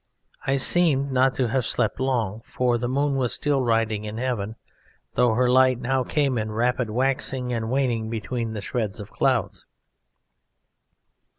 I seemed not to have slept long, for the moon was still riding in heaven, though her light now came in rapid waxing and waning between the shreds of the clouds.